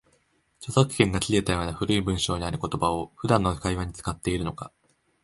著作権が切れたような古い文章にある言葉を、普段の会話に使っているのか